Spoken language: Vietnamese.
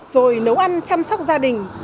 rồi nấu ăn chăm sóc gia đình